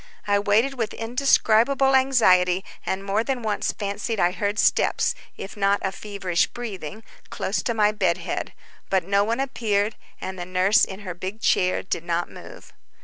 I waited with indescribable anxiety, and more than once fancied I heard steps, if not a feverish breathing close to my bed head; but no one appeared, and the nurse in her big chair did not move.